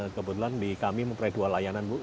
kebetulan di kami mempunyai dua layanan bu